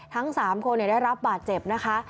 ทั้ง๓คนได้รับบาดเจ็บนะคะ